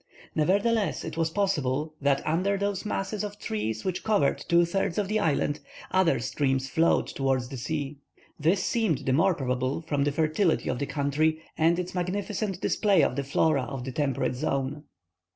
Nevertheless, it was possible that under those masses of trees which covered two thirds of the island, other streams flowed towards the sea. This seemed the more probable from the fertility of the country and its magnificent display of the flora of the temperate zone.